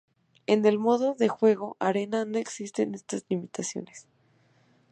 En el modo de juego Arena no existen estas limitaciones.